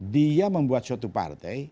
dia membuat suatu partai